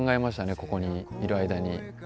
ここにいる間に。